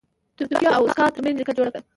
د توکیو او اوساکا ترمنځ لیکه جوړه کړه.